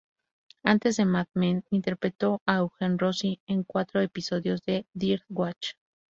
Antes de "Mad Men", interpretó a Eugene Rossi en cuatro episodios de "Third Watch".